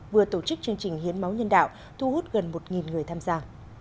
vừa tổ chức chương trình hiến máu nhân đạo thu hút gần một người tham gia